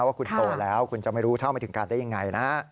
ว่าคุณโตแล้วคุณจะไม่รู้เท่าไม่ถึงการได้ยังไงนะฮะ